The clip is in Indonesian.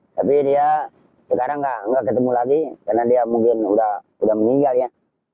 tapi dia sekarang nggak ketemu lagi karena dia mungkin sudah meninggal ya